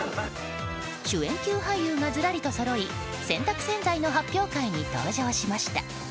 主演級俳優がずらりと並び洗濯洗剤の発表会に登場しました。